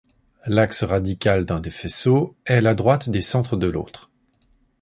L'axe radical d'un des faisceaux est la droite des centres de l'autre.